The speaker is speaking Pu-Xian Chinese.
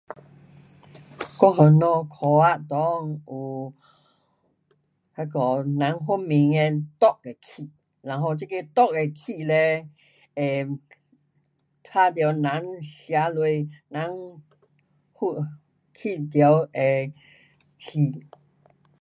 我烦恼科学内那个有人发明的毒的气，然后这个毒的嘞，会使到人吃下去人会，气中会死。